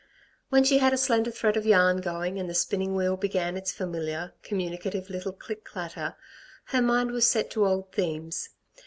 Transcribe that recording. When she had a slender thread of yarn going and the spinning wheel began its familiar, communicative little click clatter, her mind was set to old themes.